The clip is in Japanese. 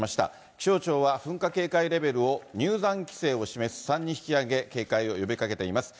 気象庁は、噴火警戒レベルを、入山規制を示す３に引き上げ、警戒を呼びかけています。